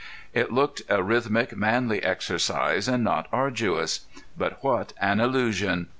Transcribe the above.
It looked a rhythmic, manly exercise, and not arduous. But what an illusion!